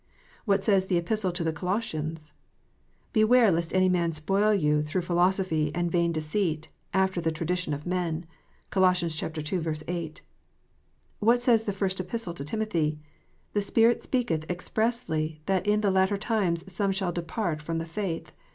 What says the Epistle to the Colossians 1 " Beware lest any man spoil you through philo sophy and vain deceit, after the tradition of men." (Col. ii. 8.) What says the First Epistle to Timothy ?" The Spirit speaketh expressly, that in the latter times some shall depart from the faith."